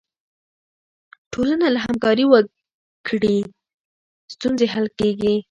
ټولنه که همکاري وکړي، ستونزې حل کیږي.